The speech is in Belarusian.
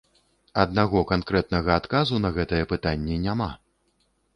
Аднаго канкрэтнага адказу на гэтае пытанне няма.